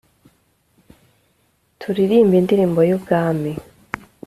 Turirimbe indirimbo y Ubwami